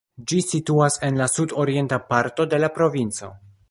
Ĝi situas en la sudorienta parto de la provinco.